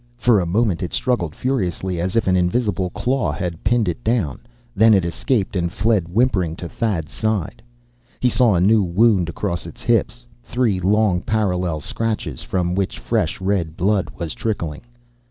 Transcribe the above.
For a moment it struggled furiously, as if an invisible claw had pinned it down. Then it escaped, and fled whimpering to Thad's side. He saw a new wound across its hips. Three long, parallel scratches, from which fresh red blood was trickling.